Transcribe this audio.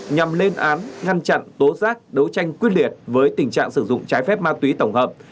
nhằm lên án ngăn chặn tố giác đấu tranh quyết liệt với tình trạng sử dụng trái phép ma túy tổng hợp